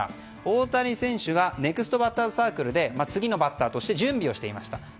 大谷選手がネクストバッターズサークルで次のバッターとして準備をしていました。